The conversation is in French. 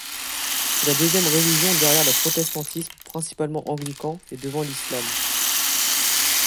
C'est la deuxième religion derrière le protestantisme, principalement anglican, et devant l'islam.